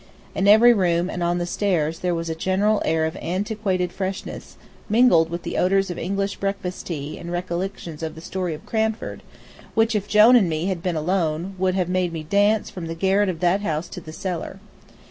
In every room and on the stairs there was a general air of antiquated freshness, mingled with the odors of English breakfast tea and recollections of the story of Cranford, which, if Jone and me had been alone, would have made me dance from the garret of that house to the cellar.